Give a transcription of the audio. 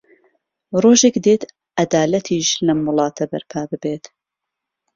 ڕۆژێک دێت عەدالەتیش لەم وڵاتە بەرپا ببێت.